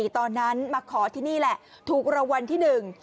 ตอนนั้นมาขอที่นี่แหละถูกรางวัลที่หนึ่ง